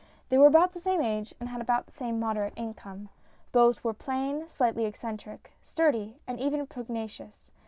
They were about the same age, and had about the same moderate income. Both were plain, slightly eccentric, sturdy, and even pugnacious.